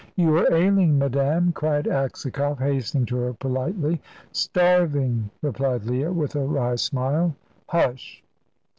"You are ailing, madame," cried Aksakoff, hastening to her politely. "Starving!" replied Leah, with a wry smile. "Hush!"